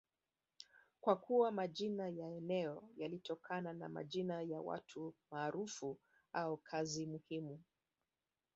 kwa kuwa majina ya eneo yalitokana na majina ya watu maarufu au kazi muhimu